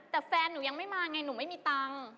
แต่แฟนหนูยังไม่มาไงหนูไม่มีตังค์